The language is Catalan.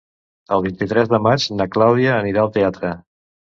El vint-i-tres de maig na Clàudia anirà al teatre.